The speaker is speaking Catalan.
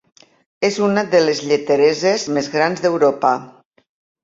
És una de les lletereses més grans d'Europa.